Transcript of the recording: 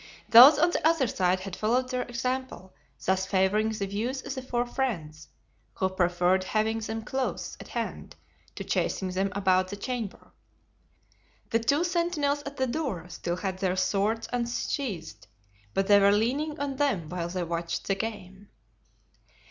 Those on the other side had followed their example, thus favoring the views of the four friends, who preferred having them close at hand to chasing them about the chamber. The two sentinels at the door still had their swords unsheathed, but they were leaning on them while they watched the game.